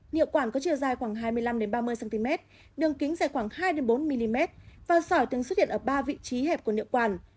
nhựa quản có chiều dài khoảng hai mươi năm ba mươi cm đường kính dài khoảng hai bốn mm và sỏi từng xuất hiện ở ba vị trí hẹp của nhựa quản